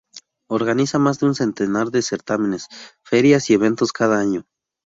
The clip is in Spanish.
Organiza más de un centenar de certámenes, ferias y eventos cada año.